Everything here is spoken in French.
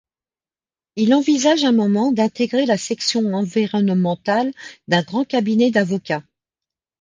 Il envisage un moment d'intégrer la section environnementale d'un grand cabinet d'avocats.